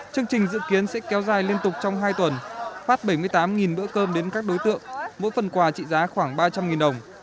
chương trình dự kiến sẽ kéo dài liên tục trong hai tuần phát bảy mươi tám bữa cơm đến các đối tượng mỗi phần quà trị giá khoảng ba trăm linh đồng